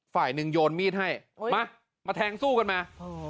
ฝ่ายหนึ่งโยนมีดให้โอ้ยมามาแทงสู้กันมา